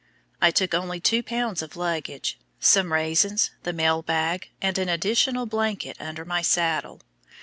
I took only two pounds of luggage, some raisins, the mailbag, and an additional blanket under my saddle.